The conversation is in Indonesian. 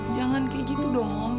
jangan kayak gitu dong